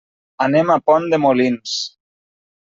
Anem a Pont de Molins.